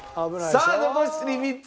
さあ残り３つ。